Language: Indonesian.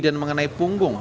dan mengenai punggung